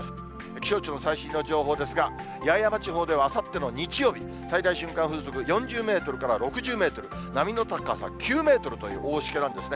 気象庁の最新の情報ですが、八重山地方ではあさっての日曜日、最大瞬間風速４０メートルから６０メートル、波の高さ９メートルという大しけなんですね。